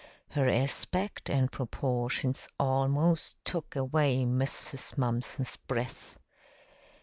Her aspect and proportions almost took away Mrs. Mumpson's breath.